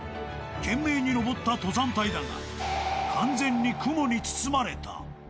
懸命に登った登山隊だが、完全に雲に包まれた。